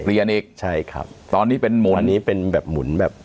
อีกใช่ครับตอนนี้เป็นหมุนอันนี้เป็นแบบหมุนแบบ